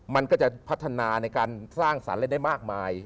มันก็จะพัฒนาในการสร้างสรรค์อะไรได้มากมาย